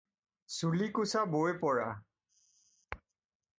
চুলিকোছা বৈ পৰা।